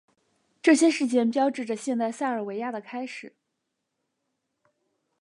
这些事件标志着现代塞尔维亚的开始。